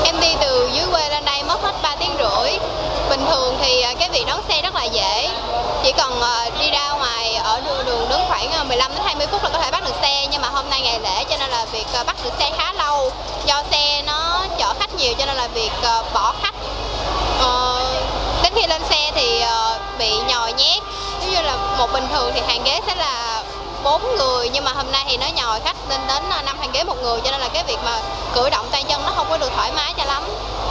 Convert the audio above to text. nếu như là một bình thường thì hàng ghế sẽ là bốn người nhưng mà hôm nay thì nó nhỏ khách nên đến năm hàng ghế một người cho nên là cái việc mà cử động tay chân nó không có được thoải mái cho lắm